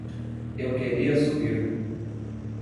Eu queria subir.